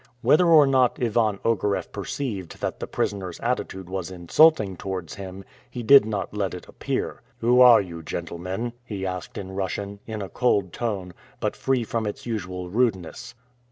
Whether or not Ivan Ogareff perceived that the prisoner's attitude was insulting towards him, he did not let it appear. "Who are you, gentlemen?" he asked in Russian, in a cold tone, but free from its usual rudeness.